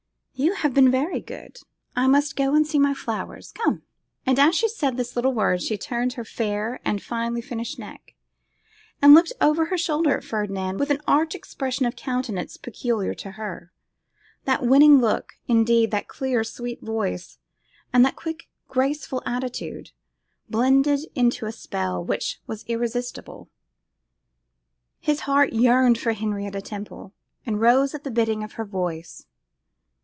You have been very good. I must go and see my flowers. Come.' And as she said this little word, she turned her fair and finely finished neck, and looked over her shoulder at Ferdinand with an arch expression of countenance peculiar to her. That winning look, indeed, that clear, sweet voice, and that quick graceful attitude, blended into a spell which was irresistible. His heart yearned for Henrietta Temple, and rose at the bidding of her voice.